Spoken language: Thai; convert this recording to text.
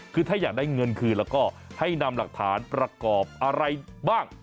คือถ้าอยากได้เงินคืนแล้วก็ให้นำหลักฐานประกอบอะไรบ้าง